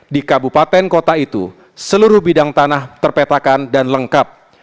di kabupaten kota itu seluruh bidang tanah terpetakan dan lengkap